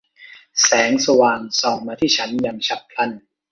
แสงสว่างส่องมาที่ฉันอย่างฉับพลัน